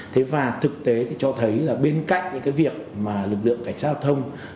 thế và thực tế thì cho thấy là bên cạnh những cái việc mà lực lượng cảnh sát giao thông